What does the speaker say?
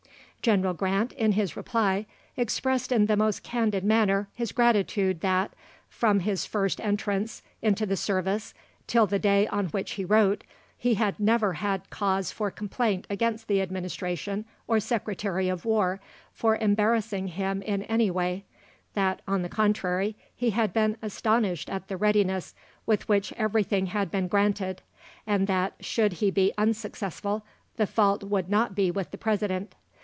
General Grant, in his reply, expressed in the most candid manner his gratitude that, from his first entrance into the service till the day on which he wrote, he had never had cause for complaint against the Administration or Secretary of War for embarrassing him in any way; that, on the contrary, he had been astonished at the readiness with which everything had been granted; and that, should he be unsuccessful, the fault would not be with the President.